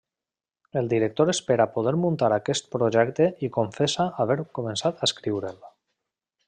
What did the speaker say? El director espera poder muntar aquest projecte i confessa haver començat a escriure'l.